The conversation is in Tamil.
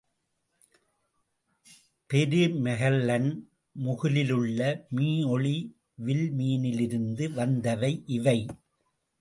பெருமெகல்லன் முகிலிலுள்ள மீஒளி வில்மீனிலிருந்து வந்தவை இவை.